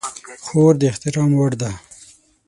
خور د احترام وړ ده.